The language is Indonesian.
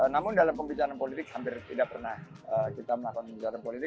namun dalam pembicaraan politik hampir tidak pernah kita melakukan kegiatan politik